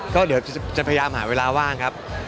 ก็เดี๋ยวจะพยายามหาเวลาว่างครับ